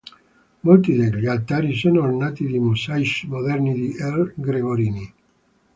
Molti degli altari sono ornati di mosaici moderni di R. Gregorini.